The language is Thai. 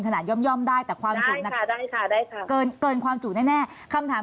ขนาย่อมได้แต่ความจุนัดเกินความจุนแน่นะครับได้ค่ะ